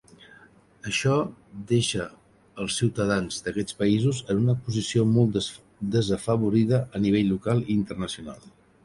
Això deixa els ciutadans d'aquests països en una posició molt desafavorida a nivell local i internacional.